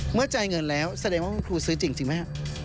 จ่ายเงินแล้วแสดงว่าคุณครูซื้อจริงไหมฮะ